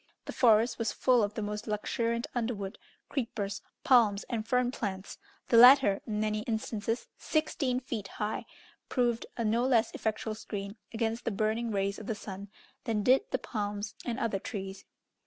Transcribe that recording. The forest was full of the most luxuriant underwood, creepers, palms, and fern plants; the latter, in many instances sixteen feet high, proved a no less effectual screen against the burning rays of the sun than did the palms and other trees.